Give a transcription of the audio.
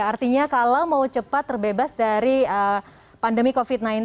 artinya kalau mau cepat terbebas dari pandemi covid sembilan belas